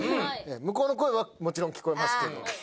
向こうの声はもちろん聞こえますけど。